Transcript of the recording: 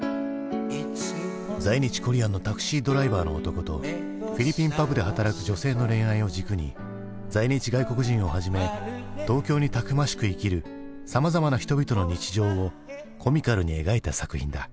在日コリアンのタクシードライバーの男とフィリピンパブで働く女性の恋愛を軸に在日外国人をはじめ東京にたくましく生きるさまざまな人々の日常をコミカルに描いた作品だ。